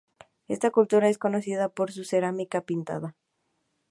Esta cultura es conocida por su cerámica pintada.